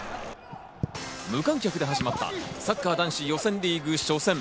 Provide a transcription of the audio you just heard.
無観客で始まった、サッカー男子予選リーグ初戦。